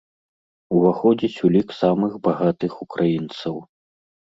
Уваходзіць у лік самых багатых украінцаў.